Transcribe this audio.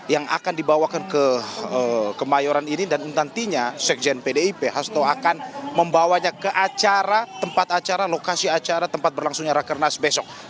yang akan dibawakan ke kemayoran ini dan nantinya sekjen pdip hasto akan membawanya ke acara tempat acara lokasi acara tempat berlangsungnya rakernas besok